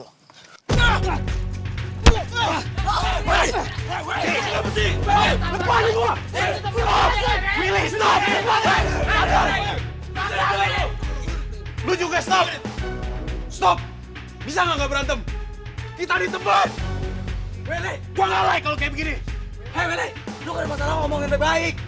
lo gak ada masalah ngomong yang lebih baik